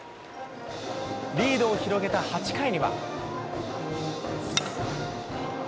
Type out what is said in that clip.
リードを広げた８回には。